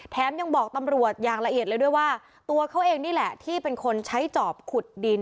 ยังบอกตำรวจอย่างละเอียดเลยด้วยว่าตัวเขาเองนี่แหละที่เป็นคนใช้จอบขุดดิน